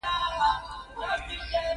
هغې وویل چې ما ته د غم نه خلاصون په کار ده